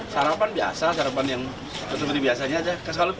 sarapan biasa sarapan yang seperti biasanya aja